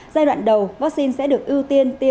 giai đoạn đầu vaccine sẽ được ưu tiên tiêm cho nhóm trẻ